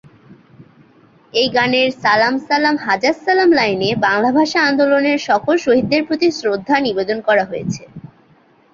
এই গানের "সালাম সালাম হাজার সালাম" লাইনে বাংলা ভাষা আন্দোলনের সকল শহীদদের প্রতি শ্রদ্ধা নিবেদন করা হয়েছে।